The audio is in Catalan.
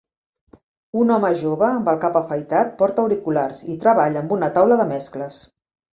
Un home jove amb el cap afaitat porta auriculars i treballa amb una taula de mescles.